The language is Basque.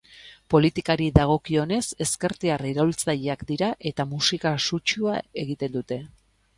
Politikari dagokionez ezkertiar iraultzaileak dira eta musika sutsua egiten dute.